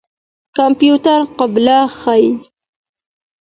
کمپيوټر قبله ښيي.